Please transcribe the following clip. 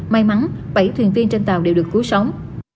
may mắn bảy thuyền viên trên tàu đều được cứu sống